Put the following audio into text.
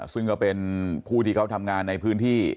ซึ่งก็เป็นผู้ที่เขาทำงานในพื้นที่